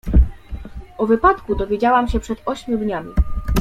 "O wypadku dowiedziałam się przed ośmiu dniami."